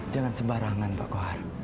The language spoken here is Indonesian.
jangan sebarangan pak kohar